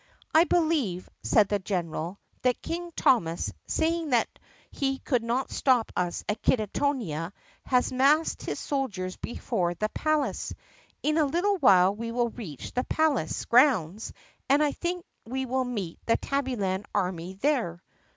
"I believe," said the general, "that King Thomas, seeing that he could not stop us at Kittonia, has massed his soldiers before the palace. In a little while we will reach the palace grounds and I think we will meet the Tabbyland army there."